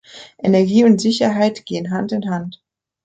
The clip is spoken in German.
Energie und Sicherheit gehen Hand in Hand.